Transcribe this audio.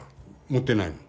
持ってないもん。